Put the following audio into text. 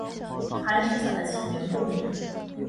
寒食散的起源不明。